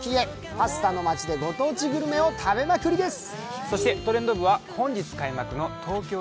パスタの街でご当地グルメを食べまくりです。